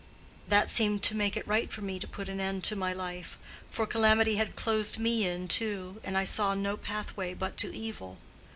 That seemed to make it right for me to put an end to my life; for calamity had closed me in too, and I saw no pathway but to evil.